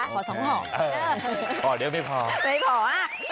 ขอ๒หอมอ๋อเดี๋ยวไม่พอไม่พออ่ะ